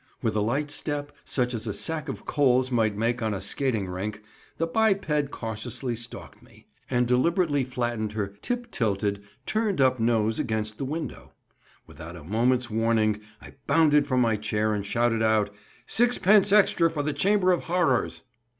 With a light step, such as a sack of coals might make on a skating rink, the biped cautiously stalked me, and deliberately flattened her "tip tilted," turn up nose against the window. Without a moment's warning, I bounded from my chair and shouted out, "Sixpence extra for the chamber of horrors."